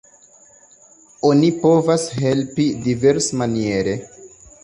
Oni povas helpi diversmaniere.